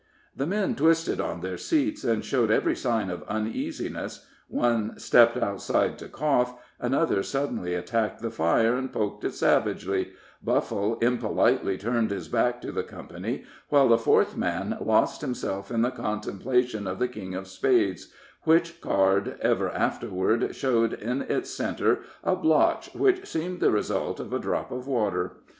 The men twisted on their seats, and showed every sign of uneasiness; one stepped outside to cough, another suddenly attacked the fire and poked it savagely, Buffle impolitely turned his back to the company, while the fourth man lost himself in the contemplation of the king of spades, which card ever afterward showed in its centre a blotch which seemed the result of a drop of water.